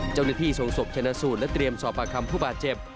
เจ้าหน้าที่ส่งศพชนะสูตรและเตรียมสอบปากคำผู้บาดเจ็บ